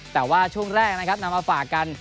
แต่ว่าช่วงแรกนะครับนำมาฝากกัน